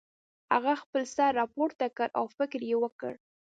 هغه خپل سر راپورته کړ او فکر یې وکړ